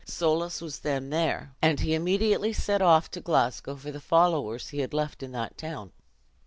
Soulis was then there; and he immediately set off to Glasgow, for the followers he had left in that town.